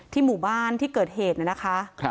ที่หมู่บ้านที่เกิดเหตุนะคะ